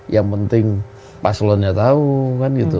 yang penting paslonnya tahu kan gitu